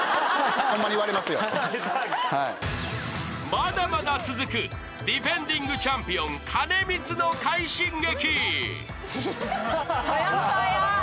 ［まだまだ続くディフェンディングチャンピオン兼光の快進撃］